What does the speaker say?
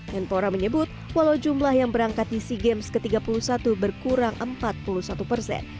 menpora menyebut walau jumlah yang berangkat di sea games ke tiga puluh satu berkurang empat puluh satu persen